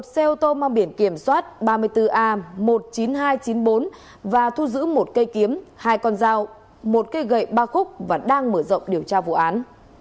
một xe ô tô mang biển kiểm soát ba mươi bốn a một mươi chín nghìn hai trăm chín mươi bốn và thu giữ một cây kiếm hai con dao một cây gậy ba khúc và đang mở rộng điều tra vụ án